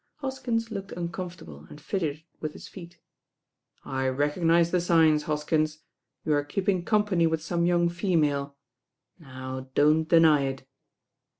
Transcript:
Hoskins looked uncomfortable and fidgeted with his feet. "I recognise the signs, Hoskins. You are keep ing company with some young female. Now, don't deny it."